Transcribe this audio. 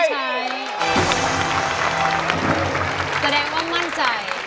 แสดงว่ามั่นใจ